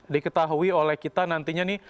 diketahui oleh kita nantinya nih